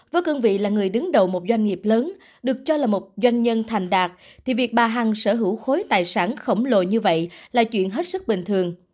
với cương vị là người đứng đầu một doanh nghiệp lớn được cho là một doanh nhân thành đạt thì việc bà hằng sở hữu khối tài sản khổng lồ như vậy là chuyện hết sức bình thường